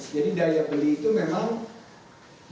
jadi daya beli itu memang